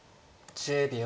１０秒。